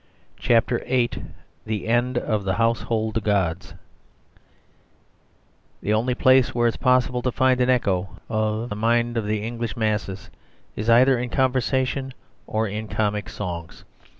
CHAPTER VIII THE END OF THE HOUSEHOLD GODS The only place where it is possible to find an echo of the mind of the English masses is either in conversation or in comic songs.